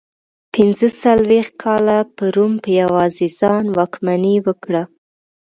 پنځه څلوېښت کاله پر روم په یوازې ځان واکمني وکړه.